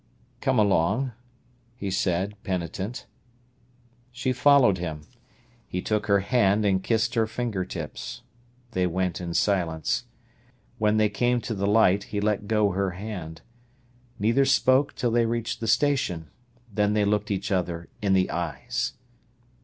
"Come along," he said, penitent. She followed him. He took her hand and kissed her finger tips. They went in silence. When they came to the light, he let go her hand. Neither spoke till they reached the station. Then they looked each other in the eyes.